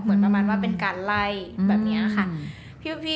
เหมือนประมาณว่าเป็นการไล่แบบนี้ค่ะ